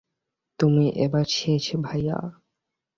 তুমি এবার শেষ ভায়া!